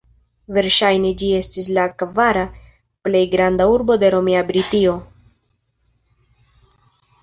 Verŝajne ĝi estis la kvara plej granda urbo de romia Britio.